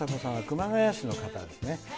熊谷市の方です。